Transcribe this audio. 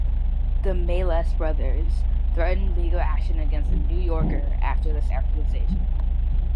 The Maysles brothers threatened legal action against "The New Yorker" after this accusation.